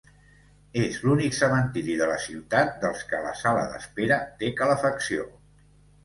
És l'únic cementiri de la ciutat dels que la sala d'espera té calefacció.